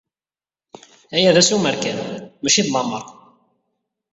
Aya d assumer kan, maci d lameṛ.